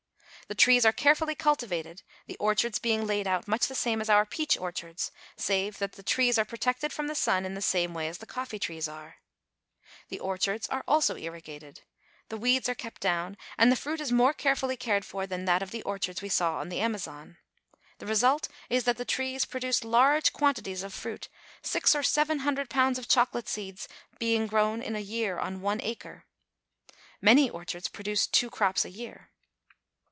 The trees are carefully cultivated, the orchards being laid out much the same as our peach orchards, save that the trees are protected from the sun in the same way as the coffee trees are. The orchards are also irrigated. The CARACAS. 337 weeds are kept down, and the fruit is more carefully cared for than that of the orchards we saw on the Amazon. The result is that the trees produce large quantities of fruit, six or seven hundred pounds of chocolate seeds be ing grown in a year on one acre. Many orchards produce two crops a year.